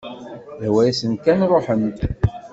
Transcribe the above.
Ihwa-yasen kan ruḥen-d.